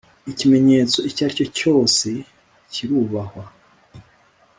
Ikimenyetso icyo ari cyo cyose kirubahwa.